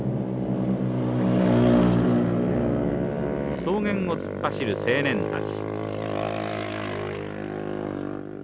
草原を突っ走る青年たち。